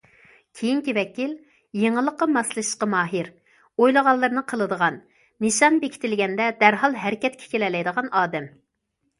كېيىنكى ۋەكىل يېڭىلىققا ماسلىشىشقا ماھىر، ئويلىغانلىرىنى قىلىدىغان، نىشان بېكىتىلگەندە دەرھال ھەرىكەتكە كېلەلەيدىغان ئادەم.